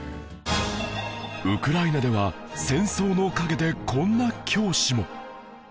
ウクライナでは戦争の陰でこんな教師も